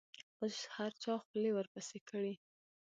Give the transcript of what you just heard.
اوس هر چا خولې ورپسې کړي.